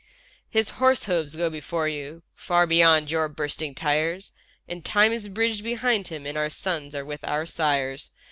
His horse hoofs go before you, Far beyond your bursting tyres; And time is bridged behind him And our sons are with our sires.